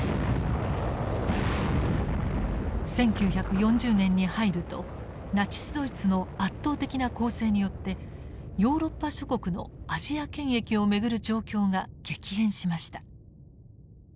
１９４０年に入るとナチスドイツの圧倒的な攻勢によってヨーロッパ諸国のアジア権益を巡る状況が激変しました。